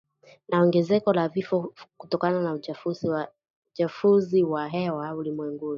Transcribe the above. na ongezeko la vifo kutokana na uchafuzi wa hewa ulimwenguni